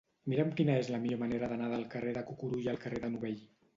Mira'm quina és la millor manera d'anar del carrer de Cucurulla al carrer de Novell.